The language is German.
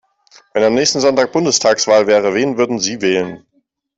Wenn am nächsten Sonntag Bundestagswahl wäre, wen würden Sie wählen?